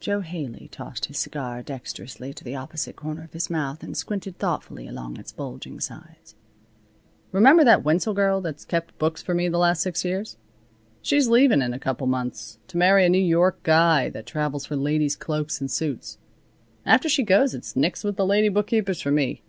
Jo Haley tossed his cigar dexterously to the opposite corner of his mouth and squinted thoughtfully along its bulging sides. "Remember that Wenzel girl that's kept books for me for the last six years? She's leaving in a couple of months to marry a New York guy that travels for ladies' cloaks and suits. After she goes it's nix with the lady bookkeepers for me.